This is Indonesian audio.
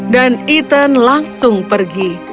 dan ethan langsung pergi